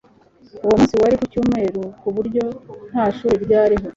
Uwo munsi wari ku cyumweru, ku buryo nta shuri ryariho.